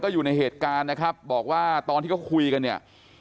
อยู่ในเหตุการณ์นะครับบอกว่าตอนที่เขาคุยกันเนี่ย